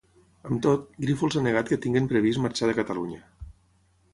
Amb tot, Grífols ha negat que tinguin previst marxar de Catalunya.